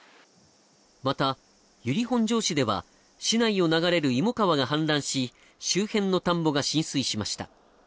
また、由利本荘市では市内を流れる芋川が氾濫し、周辺の田んぼが浸水しました。